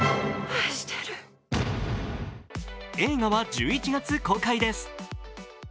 映画は１１月公開です。